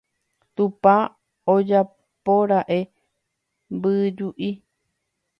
Tupã ojapóra'e mbyju'i.